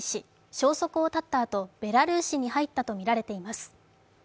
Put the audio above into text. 消息を絶ったあと、ベラルーシに入ったとみられています。